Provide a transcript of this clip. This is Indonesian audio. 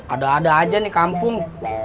ada ada aja nih kampung